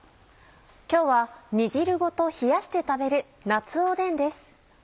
今日は煮汁ごと冷やして食べる「夏おでん」です。